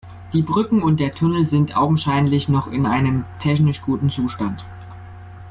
Die Brücken und der Tunnel sind augenscheinlich noch in einem technisch guten Zustand.